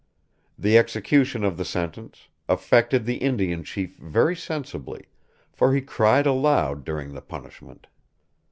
The execution of the sentence "affected the Indian chief very sensibly, for he cried aloud during the punishment."